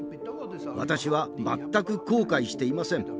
私は全く後悔していません。